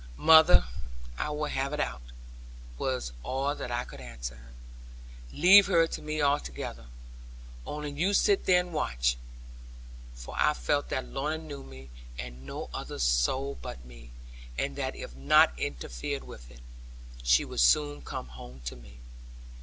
'Mother, I will have it out,' was all that I could answer her; 'leave her to me altogether; only you sit there and watch.' For I felt that Lorna knew me, and no other soul but me; and that if not interfered with, she would soon come home to me.